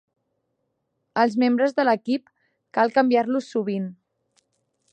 Els membres de l'equip cal canviar-los sovint.